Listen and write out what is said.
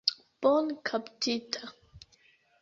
Bone kaptita.